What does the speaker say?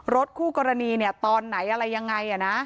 รถคู่กรณีตอนไหนอะไรยังไง